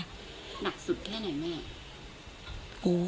หนักสุดแค่ไหนแม่